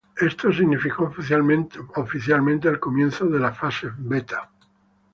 Esto significó oficialmente el comienzo de la fase beta.